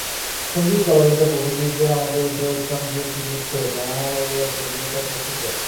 সঙ্গীত, কলাবিদ্যা প্রভৃতিতে আমাদের যে উচ্চাঙ্গের কৃতিত্ব, তাহা এই একাগ্রতা-প্রসূত।